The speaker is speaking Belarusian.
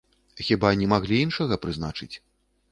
Хіба не маглі іншага прызначыць?